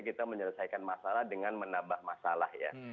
yang kedua kita menyelesaikan masalah dengan menambah masalah ya